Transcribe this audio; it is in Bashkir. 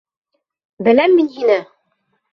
Беләм мин һине!